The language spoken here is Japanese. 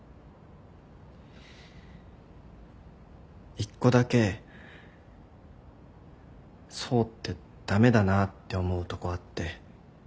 １個だけ想って駄目だなって思うとこあって。